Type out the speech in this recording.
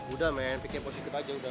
udah main pikir positif aja udah